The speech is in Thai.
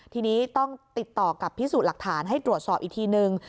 ทีนี้ต้องติดต่อกับพิสูจน์หลักฐานให้ตรวจสอบอีกทีนึง